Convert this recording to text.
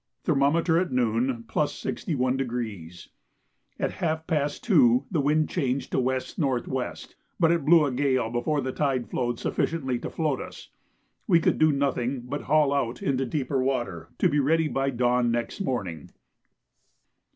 Thermometer at noon +61°. At half past 2 the wind changed to W.N.W., but it blew a gale before the tide flowed sufficiently to float us. We could do nothing but haul out into deeper water, to be ready by dawn next morning.